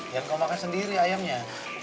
jangan kau makan sendiri ayamnya